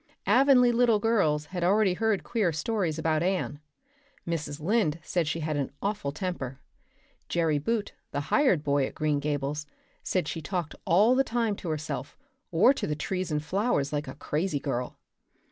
Avonlea little girls had already heard queer stories about Anne. Mrs. Lynde said she had an awful temper; Jerry Buote, the hired boy at Green Gables, said she talked all the time to herself or to the trees and flowers like a crazy girl.